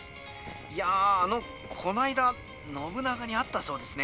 いやあのこの間信長に会ったそうですね。